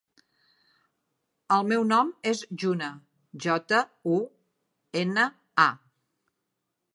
El meu nom és Juna: jota, u, ena, a.